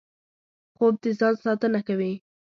خوب د ځان ساتنه ده